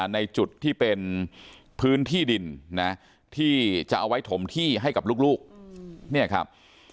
ในจุดที่เป็นพื้นที่ดินนะที่จะเอาไว้ถมที่ให้กับลูกเนี่ยครับ